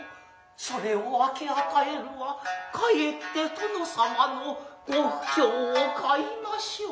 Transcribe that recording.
それを分け与えるはかえって殿様のご不興を買いましょう」。